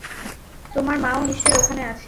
তোমার মাও নিশ্চয়ই ওখানে আছে।